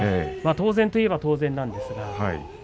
当然といえば当然なんですけれども。